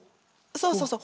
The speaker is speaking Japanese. そうそうそう。